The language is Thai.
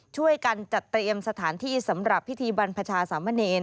ช่วยกันจัดเตรียมสถานที่สำหรับพิธีบรรพชาสามเณร